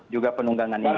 juga penunggangan ini